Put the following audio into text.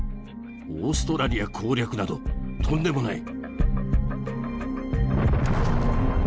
オーストラリア攻略などとんでもない！